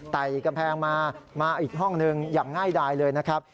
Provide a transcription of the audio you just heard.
กำแพงมามาอีกห้องหนึ่งอย่างง่ายดายเลยนะครับ